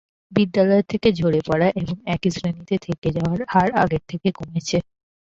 বিদ্যালয় থেকে ঝরে পড়া এবং একই শ্রেণীতে থেকে যাওয়ার হার আগের চেয়ে কমেছে।